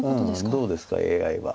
どうですかＡＩは。